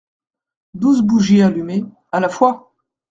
Douze bougies allumées … à la fois !